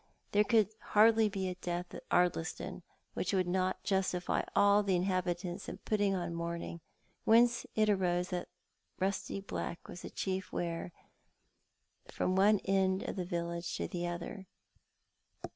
There could hardly be a death at Ardliston which would not justify all the inhabitants in putting on mourning, whence it arose that rusty black was the chief wear from one end of the village to the other.